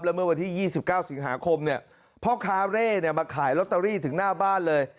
เมื่อวันที่๒๙สิงหาคมเนี่ยพ่อค้าเร่มาขายลอตเตอรี่ถึงหน้าบ้านเลย